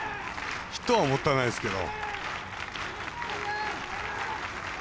ヒットはもったいないですけど。